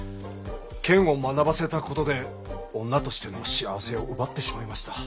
剣を学ばせたことで女としての幸せを奪ってしまいました。